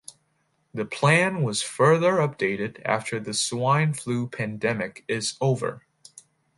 The plan was further updated after the swine flu pandemic is over.